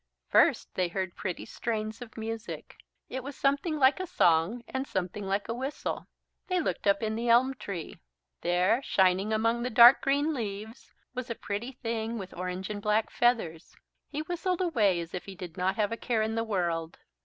First they heard pretty strains of music. It was something like a song and something like a whistle. They looked up in the elm tree. There, shining among the dark green leaves, was a pretty thing with orange and black feathers. He whistled away as if he did not have a care in the world.